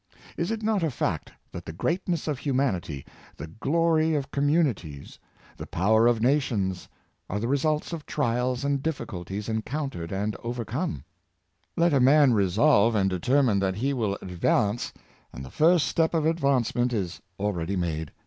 Is it not a fact that the greatness of humanity, the glory of communities, the power of nations, are the result of trials and difficulties encountered and over come ? Let a man resolve and determine that he will ad vance, and the first step of advancement is already made.